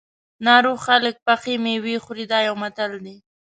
ناروغ خلک پخې مېوې خوري دا یو متل دی.